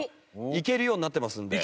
行けるようになってますんで。